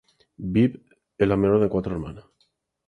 Bibb es la menor de cuatro hermanas.